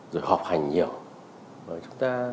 rồi họp hành nhiều